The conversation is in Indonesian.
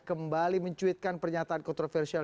kembali mencuitkan pernyataan kontroversial